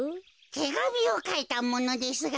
てがみをかいたものですが。